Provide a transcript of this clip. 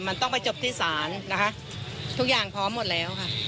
มันต้องไปจบที่ศาลนะคะทุกอย่างพร้อมหมดแล้วค่ะ